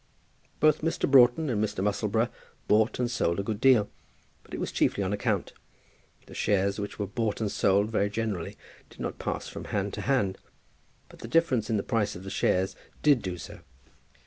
Both Mr. Broughton and Mr. Musselboro bought and sold a good deal, but it was chiefly on account. The shares which were bought and sold very generally did not pass from hand to hand; but the difference in the price of the shares did do so.